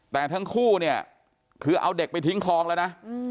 แต่ทั้งคู่เนี่ยคือเอาเด็กไปทิ้งคลองแล้วนะ